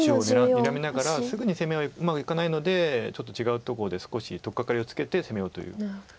すぐに攻めはうまくいかないのでちょっと違うとこで少し取っかかりをつけて攻めようという作戦です。